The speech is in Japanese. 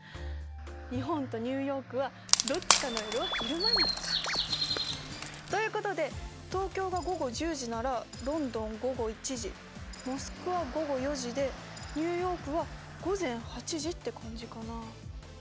日本とニューヨークはどっちかの夜は昼間なのか。ということで東京が午後１０時ならロンドン午後１時モスクワ午後４時でニューヨークは午前８時って感じかな。